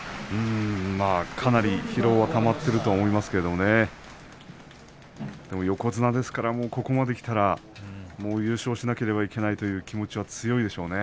かなり疲労はたまっていると思いますけれどねでも横綱ですからここまできたら優勝しなければいけないという気持ちが強いでしょうね。